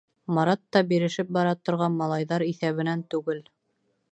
Марат та бирешеп бара торған малайҙар иҫәбенән түгел.